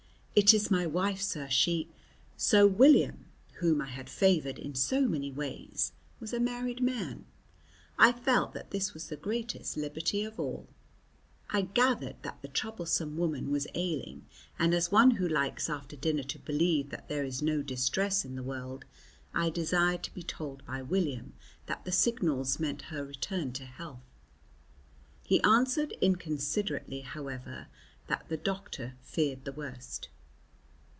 "It is my wife, sir, she " So William, whom I had favoured in so many ways, was a married man. I felt that this was the greatest liberty of all. I gathered that the troublesome woman was ailing, and as one who likes after dinner to believe that there is no distress in the world, I desired to be told by William that the signals meant her return to health. He answered inconsiderately, however, that the doctor feared the worst.